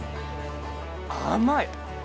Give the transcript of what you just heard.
甘い！